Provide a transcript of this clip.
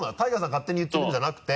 勝手に言ってるんじゃなくて。